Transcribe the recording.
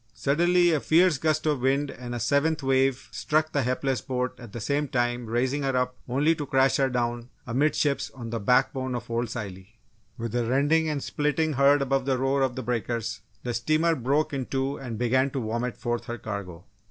Suddenly, a fiercer gust of wind and a seventh wave struck the hapless boat at the same time raising her up only to crash her down amidships on the back bone of Old Scilly. With a rending and splitting heard above the roar of the breakers, the steamer broke in two and began to vomit forth her cargo.